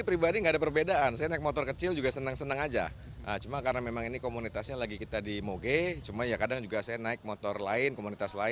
sebuah hobi yang mana hobi ini adalah kebahagiaan untuk kami